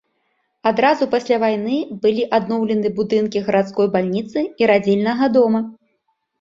Адразу пасля вайны былі адноўлены будынкі гарадской бальніцы і радзільнага дома.